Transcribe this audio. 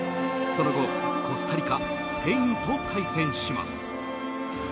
その後、コスタリカ、スペインと対戦します。